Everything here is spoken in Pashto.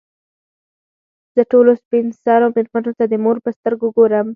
زه ټولو سپین سرو مېرمنو ته د مور په سترګو ګورم.